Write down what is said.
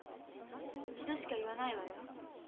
一度しか言わないわよ。